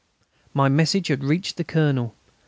My message had reached the Colonel.